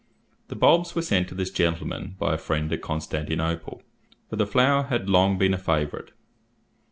The bulbs were sent to this gentleman by a friend at Constantinople, where the flower had long been a favourite.